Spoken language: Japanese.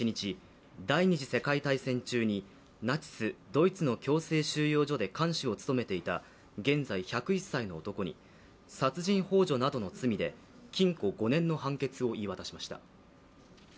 第二次世界大戦中にナチス・ドイツの強制収容所で看守を務めていた現在１０１歳の男に殺人ほう助などの罪で禁錮５年の判決を言い渡しました。